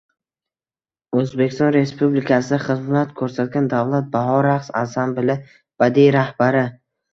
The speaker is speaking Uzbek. O‘zbekiston Respublikasida xizmat ko‘rsatgan davlat “Bahor” raqs ansambili badiiy rahbari